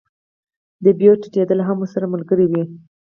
د بیو ټیټېدل هم ورسره ملګري وي